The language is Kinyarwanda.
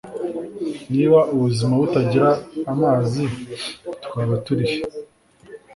Niba ubuzima butagira amazi twaba turihe